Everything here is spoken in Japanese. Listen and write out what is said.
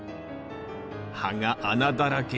葉が穴だらけ。